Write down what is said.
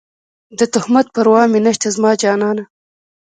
د تهمت پروا مې نشته زما جانانه